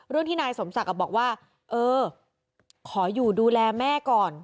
ที่นายสมศักดิ์บอกว่าเออขออยู่ดูแลแม่ก่อน